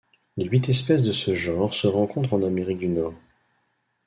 Les huit espèces de ce genre se rencontrent en Amérique du Nord.